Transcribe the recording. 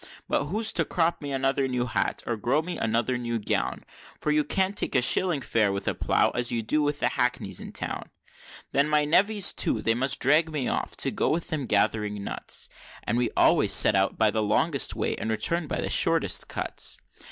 But who's to crop me another new hat, or grow me another new gown? For you can't take a shilling fare with a plough as you do with the hackneys in town. Then my nevys too, they must drag me off to go with them gathering nuts, And we always set out by the longest way and return by the shortest cuts.